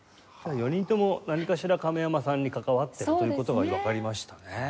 ４人とも何かしら亀山さんに関わっているという事がわかりましたね。